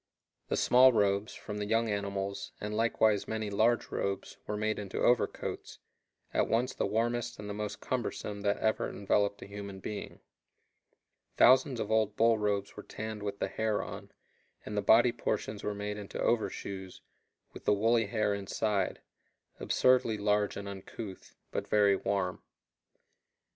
The small robes, from the young animals, and likewise many large robes, were made into overcoats, at once the warmest and the most cumbersome that ever enveloped a human being. Thousands of old bull robes were tanned with the hair on, and the body portions were made into overshoes, with the woolly hair inside absurdly large and uncouth, but very warm.